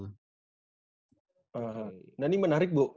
nah ini menarik bu